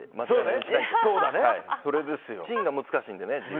珍が難しいのでね。